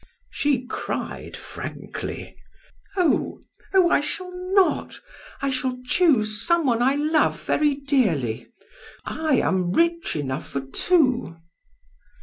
She cried frankly: "Oh, oh, I shall not! I shall choose some one I love very dearly. I am rich enough for two."